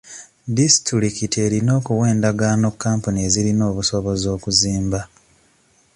Disitulikiti erina okuwa endagaano kampuni ezirina obusobozi okuzimba.